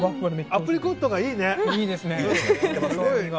アプリコットがいいね。